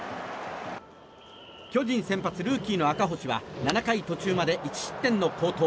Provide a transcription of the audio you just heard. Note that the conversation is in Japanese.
巨人先発、ルーキーの赤星は７回途中まで１失点の好投。